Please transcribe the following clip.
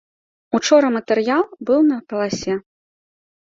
Учора матэрыял быў на паласе.